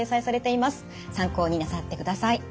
参考になさってください。